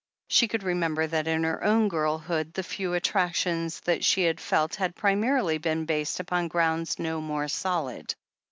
She could remember that in her own girlhood the few attractions that she had felt had primarily been based upon grounds no more solid.